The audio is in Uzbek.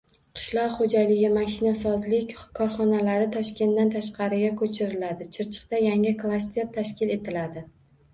Qishloq xo‘jaligi mashinasozlik korxonalari Toshkentdan tashqariga ko‘chiriladi. Chirchiqda yangi klaster tashkil etiladi